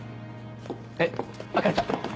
えっ朱里ちゃん。